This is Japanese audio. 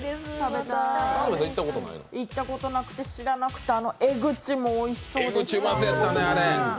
行ったことなくて知らなくてあのエグチもおいしそうです。